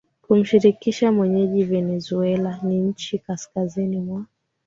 kumshirikisha mwenyeji Venezuela ni nchi kaskazini mwa